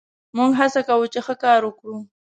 موږ هڅه کوو، چې ښه کار وکړو.